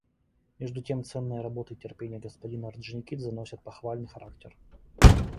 Между тем ценная работа и терпение господина Орджоникидзе носят похвальный характер.